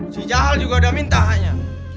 si jahat juga udah minta hanya